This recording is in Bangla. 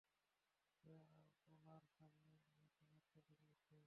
সে আপনার সামনে আমাকে মারতে চাইছে!